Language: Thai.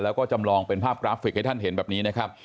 แล้วก็จำลองเป็นภาพกราฟิกให้ท่านเห็นแบบนี้นะครับ